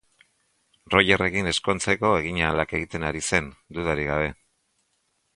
Rogerrekin ezkontzeko eginahalak egiten ari zen, dudarik gabe.